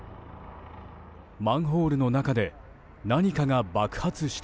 マンホールの中で何かが爆発した。